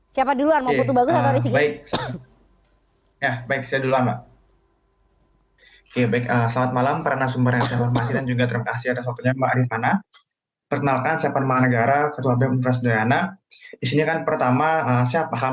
sekarang dari penyelenggaraan beliau ini dan memang